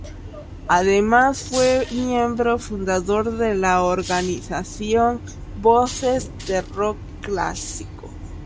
Además fue miembro fundador de la organización Voces de Rock clásico.